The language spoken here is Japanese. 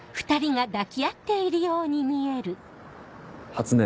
初音。